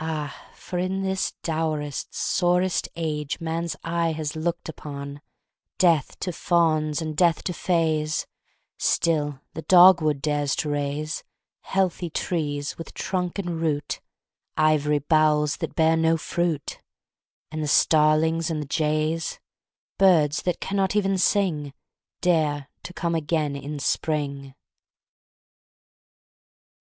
Ah, for in this dourest, sorest Age man's eye has looked upon, Death to fauns and death to fays, Still the dog wood dares to raise Healthy tree, with trunk and root Ivory bowls that bear no fruit, And the starlings and the jays Birds that cannot even sing Dare to come again in spring!